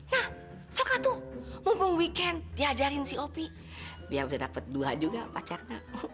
nah sok atuh mumpung weekend diajarin si opi biar bisa dapet dua juga pacaran